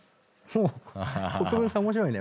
国分さん面白いね。